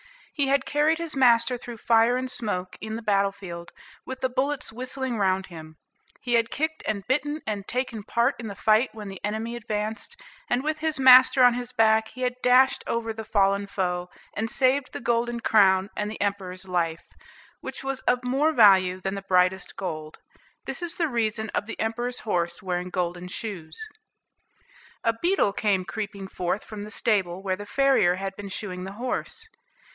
He had carried his master through fire and smoke in the battle field, with the bullets whistling round him; he had kicked and bitten, and taken part in the fight, when the enemy advanced; and, with his master on his back, he had dashed over the fallen foe, and saved the golden crown and the Emperor's life, which was of more value than the brightest gold. This is the reason of the Emperor's horse wearing golden shoes. A beetle came creeping forth from the stable, where the farrier had been shoeing the horse.